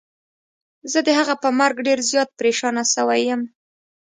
زه د هغه په مرګ ډير زيات پريشانه سوی يم.